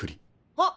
あっ！